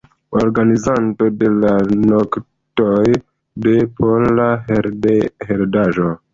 Organizanto de la Noktoj de Pola Heredaĵo.